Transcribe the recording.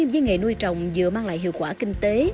với nghề nuôi trồng vừa mang lại hiệu quả kinh tế